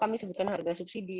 kami sebutkan harga subsidi